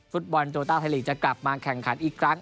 ฟุตบอลโตต้าไทยลีกจะกลับมาแข่งขันอีกครั้ง